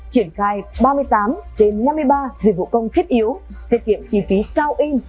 triển khai ba mươi tám trên năm mươi ba dịch vụ công thiết yếu tiết kiệm chi phí sao in